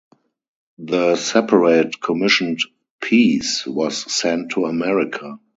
The separate commissioned piece was sent to America.